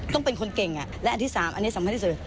ต้องเป็นคนเก่งและอันที่๓อันนี้สำคัญที่สุด